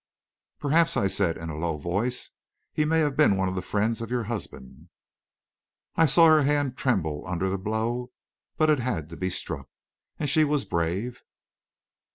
"Perhaps," I said, in a low voice, "he may have been one of the friends of your husband." I saw her hand tremble under the blow, but it had to be struck. And she was brave.